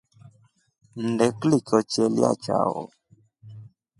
Nnde kliko chelya chao.